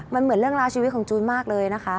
มันเหมือนเรื่องราวชีวิตของจูนมากเลยนะคะ